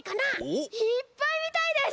いっぱいみたいです！